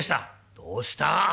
「どうした？」。